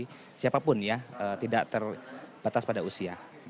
jadi siapapun ya tidak terbatas pada usia